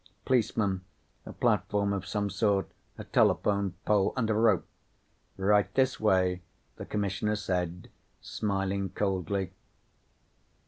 Policemen, a platform of some sort. A telephone pole and a rope! "Right this way," the Commissioner said, smiling coldly.